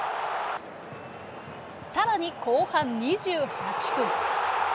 さらに、後半２８分。